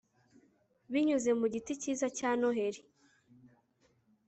binyuze mu giti cyiza cya noheri